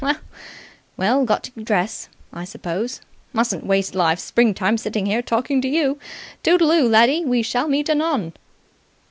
Well, got to dress, I suppose. Mustn't waste life's springtime sitting here talking to you. Toodle oo, laddie! We shall meet anon!"